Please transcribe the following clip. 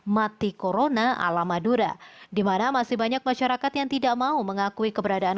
mati corona ala madura dimana masih banyak masyarakat yang tidak mau mengakui keberadaan